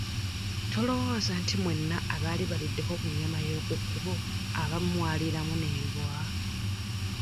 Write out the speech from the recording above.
Tolowooza nti mwenna abaali baliddeko ku nnyama y'oku kkubo abamu mwaliraamu n'embwa?